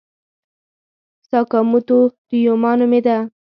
ساکاموتو ریوما نومېده.